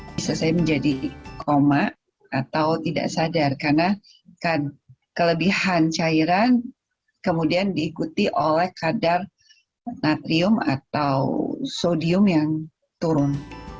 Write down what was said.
bisa saya menjadi koma atau tidak sadar karena kelebihan cairan kemudian diikuti oleh kadar natrium atau sodium yang turun